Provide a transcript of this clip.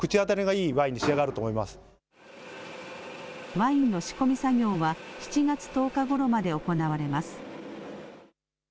ワインの仕込み作業は７月１０日ごろまで行われます。